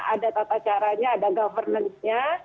ada tata caranya ada governance nya